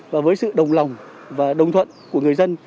và với sự đồng lòng và đồng thuận của người dân